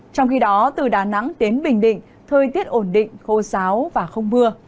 trong khi đó từ đà nẵng đến bình định thời tiết ổn định khô sáo và không mưa